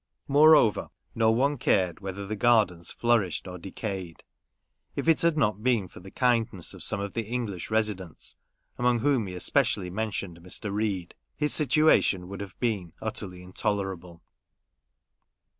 Moreover, no one cared whether the gardens flourished or decayed. If it had not been for the kindness of some of the English residents, among whom he especially mentioned Mr. Reade, his situation would have been utterly intolerable.